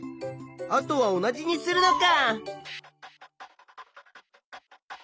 あとは同じにするのか。